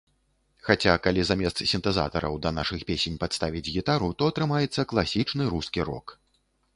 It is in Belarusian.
Хаця, калі замест сінтэзатараў да нашых песень падставіць гітару, то атрымаецца класічны рускі рок.